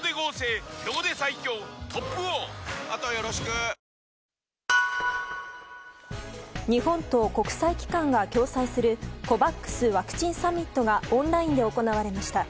なので、外務省の幹部は日本として日本と国際機関が共催するＣＯＶＡＸワクチンサミットがオンラインで行われました。